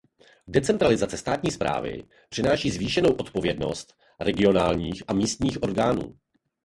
Decentralizace státní správy přináší zvýšenou odpovědnost regionálních a místních orgánů.